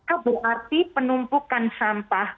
itu berarti penumpukan sampah